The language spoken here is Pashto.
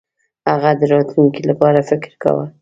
هغه د راتلونکي لپاره فکر کاوه.